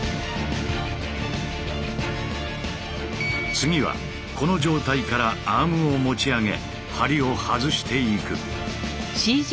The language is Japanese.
次はこの状態からアームを持ち上げ梁を外していく。